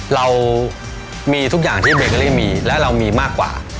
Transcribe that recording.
เรามีทุกอย่างที่เบเกอรี่มีและเรามีมากกว่า